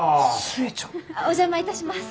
お邪魔いたします。